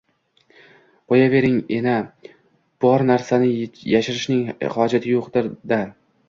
— Qoʼyavering, ena… bor narsani yashirishning hojati yoʼqdir-da…